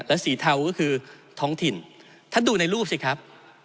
และสีเทาก็คือท้องถิ่นท่านดูในรูปสิครับ